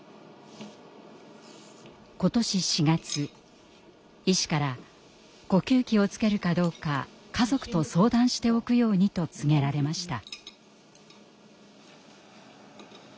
今年４月医師から呼吸器をつけるかどうか家族と相談しておくようにと告げられました。